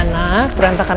tidak ada yang bisa dikawal